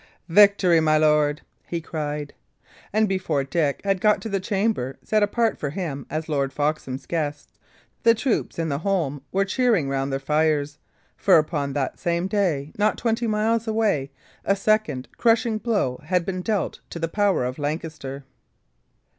"Victory, my lord," he cried. And before Dick had got to the chamber set apart for him as Lord Foxham's guest, the troops in the holm were cheering around their fires; for upon that same day, not twenty miles away, a second crushing blow had been dealt to the power of Lancaster.